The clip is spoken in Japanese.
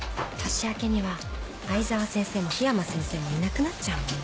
年明けには藍沢先生も緋山先生もいなくなっちゃうもんね。